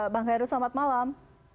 bang khairul selamat malam